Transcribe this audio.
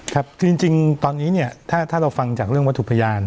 ครับจริงตอนนี้เนี่ยถ้าเราฟังจากเรื่องวัตถุพยาน